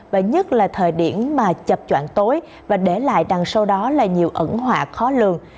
và nhất là thời điểm mà chập chọn tối và để lại đằng sau đó là nhiều ẩn họa khó lường